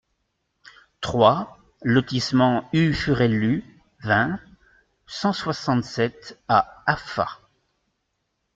trois lotissement U Furellu, vingt, cent soixante-sept à Afa